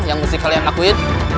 yang harus kalian lakuin